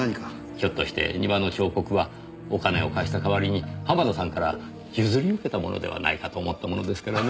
ひょっとして庭の彫刻はお金を貸した代わりに濱田さんから譲り受けたものではないかと思ったものですからね。